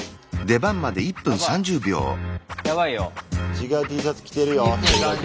違うＴシャツ着てるよ一人だけ。